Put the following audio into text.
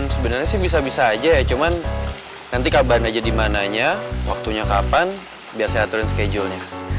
sebenarnya sih bisa bisa aja ya cuman nanti kabar nggak jadi mananya waktunya kapan biar saya aturin schedule nya